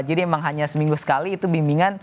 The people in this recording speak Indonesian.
jadi emang hanya seminggu sekali itu bimbingan